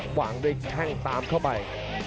วางด้วยแข้งตามเข้าไป